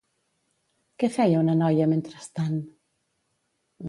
Què feia una noia mentrestant?